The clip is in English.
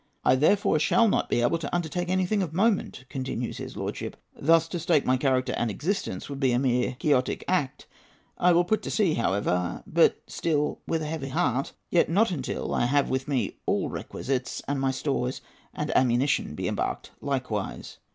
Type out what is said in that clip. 'I therefore shall not be able to undertake anything of moment,' continues his lordship. 'Thus to stake my character and existence would be a mere Quixotic act. I will put to sea, however, but still with a heavy heart; yet not until I have with me all requisites, and my stores and ammunition be embarked likewise.'